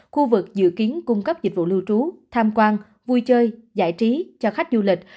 khu vực dự kiến cung cấp dịch vụ lưu trú tham quan vui chơi giải trí cho khách du lịch